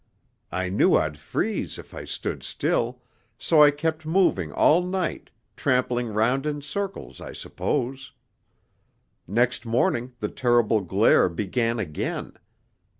I knew I'd freeze if I stood still, so I kept moving all night, trampling round in circles, I suppose. Next morning the terrible glare began again.